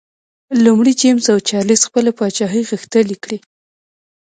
لومړی جېمز او چارلېز خپله پاچاهي غښتلي کړي.